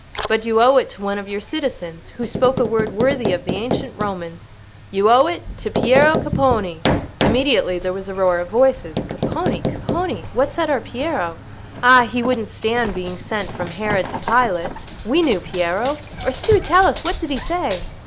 But you owe it to one of your citizens, who spoke a word worthy of the ancient Romans—you owe it to Piero Capponi!" Immediately there was a roar of voices. "Capponi! Capponi! What said our Piero?" "Ah! he wouldn't stand being sent from Herod to Pilate!" "We knew Piero!" "Orsù! Tell us, what did he say?"